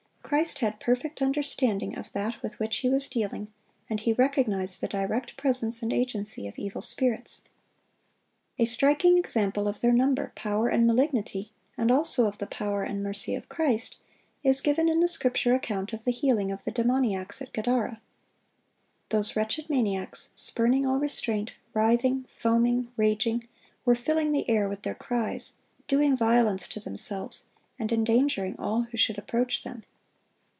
Christ had perfect understanding of that with which He was dealing, and He recognized the direct presence and agency of evil spirits. A striking example of their number, power, and malignity, and also of the power and mercy of Christ, is given in the Scripture account of the healing of the demoniacs at Gadara. Those wretched maniacs, spurning all restraint, writhing, foaming, raging, were filling the air with their cries, doing violence to themselves, and endangering all who should approach them.